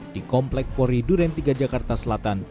di komplek pori duren tiga jakarta selatan